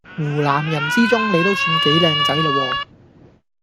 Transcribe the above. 湖南人之中你都算幾靚仔喇喎